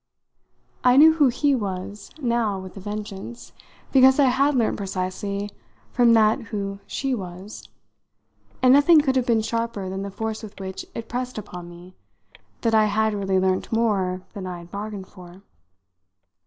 I knew who he was now with a vengeance, because I had learnt precisely from that who she was; and nothing could have been sharper than the force with which it pressed upon me that I had really learnt more than I had bargained for.